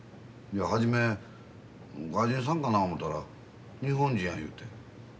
初め外人さんかな思たら日本人や言うて。